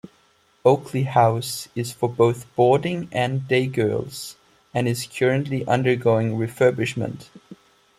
Oakley House is for both boarding and day girls, and is currently undergoing refurbishment.